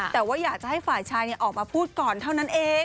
แต่ว่าอยากจะให้ฝ่ายชายออกมาพูดก่อนเท่านั้นเอง